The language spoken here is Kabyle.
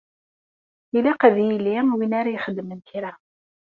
Ilaq ad yili win ara ixedmen kra.